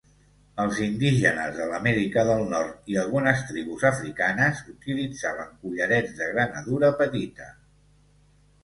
Els indígenes de l'Amèrica del Nord i algunes tribus africanes utilitzaven collarets de granadura petita.